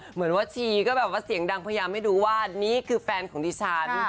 เหมือนว่าชีก็แบบว่าเสียงดังพยายามให้ดูว่านี่คือแฟนของดิฉัน